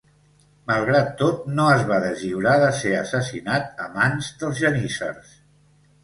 Malgrat tot, no es va deslliurar de ser assassinat a mans dels geníssers.